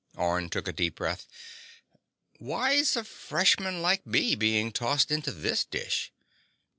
Orne took a deep breath. "Why's a freshman like me being tossed into this dish?"